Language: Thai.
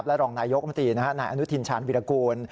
รองนายยกมตรีนายอนุทินชาญวิรากูล